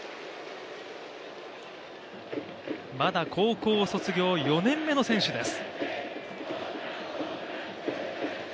まだ高校卒業４年目の選手です。